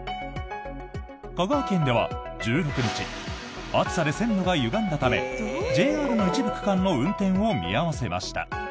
香川県では１６日暑さで線路がゆがんだためＪＲの一部区間の運転を見合わせました。